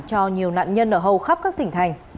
cho nhiều nạn nhân ở hầu khắp các tỉnh thành